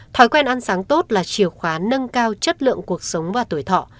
thói quen ăn sáng tốt là chiều khóa nâng cao chất lượng cuộc sống và tuổi thọ